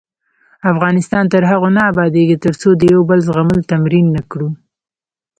افغانستان تر هغو نه ابادیږي، ترڅو د یو بل زغمل تمرین نکړو.